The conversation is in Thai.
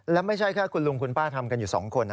แล้วไม่ใช่แค่คุณลุงคุณป้าทำกันอยู่๒คนนะ